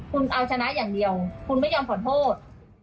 คุณเอาชนะอย่างเดียวคุณไม่ยอมขอโทษ